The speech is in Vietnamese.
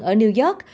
ở new york